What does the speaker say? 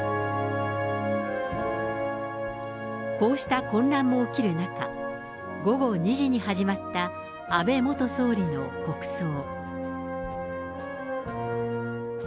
こうした混乱も起きる中、午後２時に始まった安倍元総理の国葬。